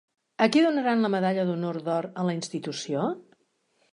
A qui donaran la medalla d'honor d'or a la institució?